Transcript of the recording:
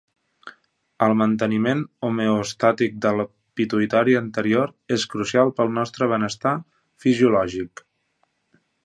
El manteniment homeostàtic de la pituïtària anterior es crucial pel nostre benestar fisiològic.